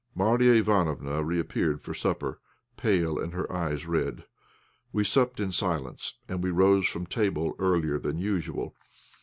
Marya Ivánofna reappeared for supper, pale and her eyes red. We supped in silence, and we rose from table earlier than usual.